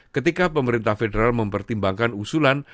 ketika pemerintah federal mempertimbangkan usulan